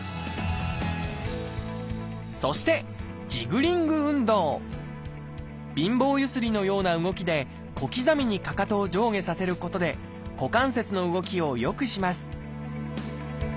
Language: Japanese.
そして貧乏ゆすりのような動きで小刻みにかかとを上下させることで股関節の動きを良くします